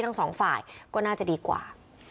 ทั้งสองฝ่ายก็น่าจะดีกว่า